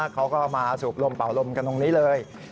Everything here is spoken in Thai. เขาก็มาสูบลมเป่าลมกันตรงนี้เลย